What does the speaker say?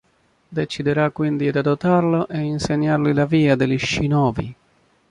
Deciderà quindi di adottarlo e insegnargli la via degli shinobi.